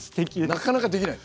なかなかできない。